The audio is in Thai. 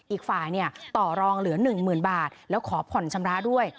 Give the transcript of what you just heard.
อีกฝ่ายต่อรองเหลือ๑๐๐๐บาทแล้วขอผ่อนชำระด้วย